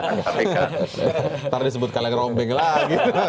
ntar disebut kaleng rombeng lagi